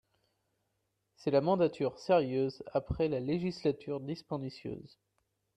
C’est la mandature sérieuse après la législature dispendieuse